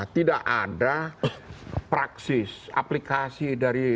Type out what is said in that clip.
tidak ada praksis aplikasi dari